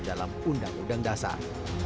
dalam undang undang dasar